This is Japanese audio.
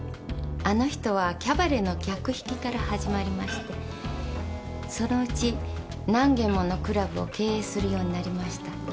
あの人はキャバレーの客引きから始まりましてそのうち何軒ものクラブを経営するようになりました。